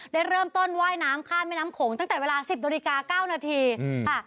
ได้เริ่มต้นว่ายน้ำข้ามแม่น้ำโขงตั้งแต่เวลาสิบนาฬิกาเก้านาทีค่ะ